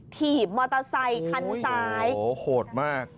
ถีบมอเตอร์ไซคันซ้ายโอ้โหโหดมาก